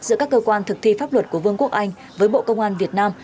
giữa các cơ quan thực thi pháp luật của vương quốc anh với bộ công an việt nam